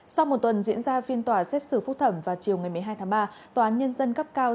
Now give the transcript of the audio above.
sau một tuần diễn ra phiên tòa xét xử phúc thẩm vào chiều ngày một mươi hai tháng ba tòa án nhân dân cấp cao